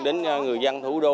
đến người dân thủ đô